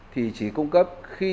thì chỉ cung cấp